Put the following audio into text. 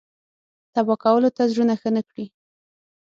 تبا کولو ته زړونه ښه نه کړي.